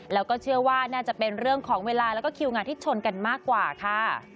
แล้วก็เชื่อว่าน่าจะเป็นเรื่องของเวลาแล้วก็คิวงานที่ชนกันมากกว่าค่ะ